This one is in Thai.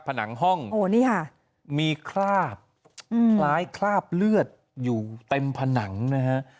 ผนังห้องมีคราบคล้ายคราบเลือดอยู่เต็มผนังนะฮะ